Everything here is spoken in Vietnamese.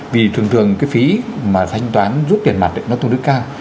vì thường thường cái phí mà thanh toán rút tiền mặt nó tương đối cao